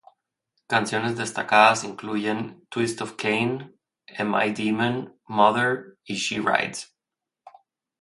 Canciones destacadas incluyen "Twist of Cain", "Am I Demon", "Mother", y "She Rides".